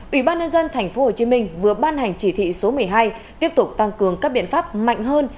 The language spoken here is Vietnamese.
ủy ban nhân dân tp hcm vừa ban hành chỉ thị số một mươi hai tiếp tục tăng cường các biện pháp mạnh hơn